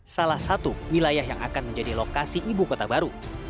salah satu wilayah yang akan menjadi lokasi ibu kota baru